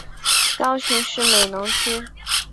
高雄市美浓区